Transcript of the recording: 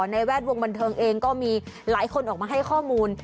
ในแวดวงบันเทิงเองก็มีหลายคนออกมาให้ข้อมูล